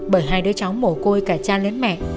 bởi hai đứa cháu mổ côi cả cha lẫn mẹ